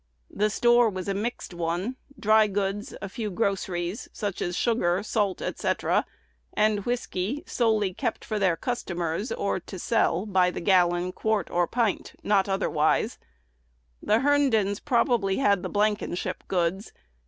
The store was a mixed one, dry goods, a few groceries, such as sugar, salt, &c., and whiskey solely kept for their customers, or to sell by the gallon, quart, or pint, not otherwise. The Herndons probably had the Blankenship goods.